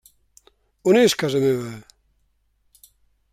On és casa meva?